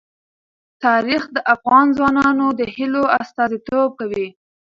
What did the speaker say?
تاریخ د افغان ځوانانو د هیلو استازیتوب کوي.